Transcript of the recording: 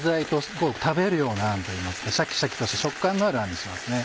食べるようなあんといいますかシャキシャキとした食感のあるあんにしますね。